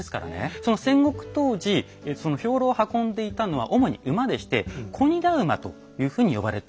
でその戦国当時その兵糧を運んでいたのは主に馬でして「小荷駄馬」というふうに呼ばれていました。